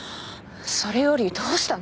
それよりどうしたの？